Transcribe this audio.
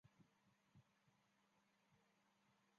当地的公司免费地将这些屋子改造成办公室。